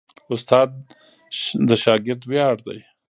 استاد د شاګرد ویاړ دی.